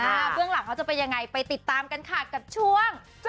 เบื้องหลังเขาจะเป็นยังไงไปติดตามกันค่ะกับช่วง